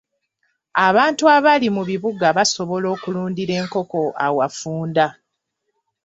Abantu abali mu bibuga basobola okulundira enkoko awafunda.